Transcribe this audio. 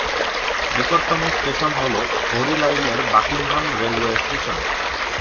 নিকটতম স্টেশন হল হোরি লাইনের বাকিনহাম রেলওয়ে স্টেশন।